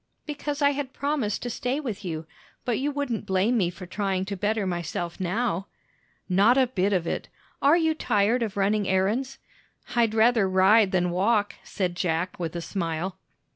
"Because I had promised to stay with you; but you wouldn't blame me for trying to better myself now?" "Not a bit of it. Are you tired of running errands?" "I'd rather ride than walk," said Jack with a smile.